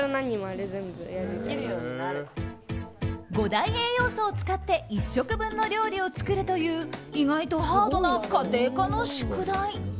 ５大栄養素を使って１食分の料理を作るという意外とハードな家庭科の宿題。